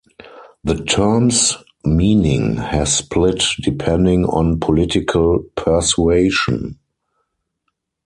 The term's meaning has split depending on political persuasion.